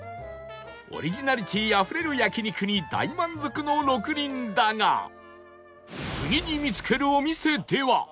オリジナリティーあふれる焼肉に大満足の６人だが次に見つけるお店では